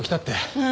うん！